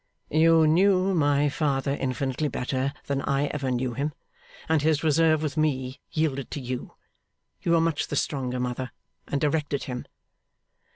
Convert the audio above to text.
'You knew my father infinitely better than I ever knew him; and his reserve with me yielded to you. You were much the stronger, mother, and directed him.